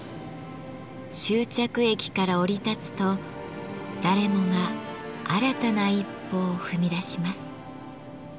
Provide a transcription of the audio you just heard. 終着駅から降り立つと誰もが新たな一歩を踏み出します。